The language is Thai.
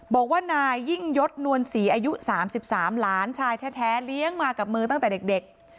บอกว่านายยิ่งยศนวลศรีอายุ๓๓หลานชายแท้เลี้ยงมากับมือตั้งแต่เด็ก